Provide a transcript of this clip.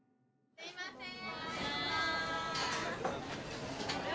すいません。